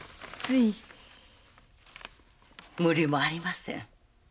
無理もありません。